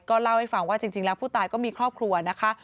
เล่าให้ฟังว่าจริงแล้วผู้ตายก็มีครอบครัวนะคะ